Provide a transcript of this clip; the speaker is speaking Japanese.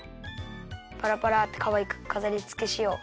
パラパラってかわいくかざりつけしよう。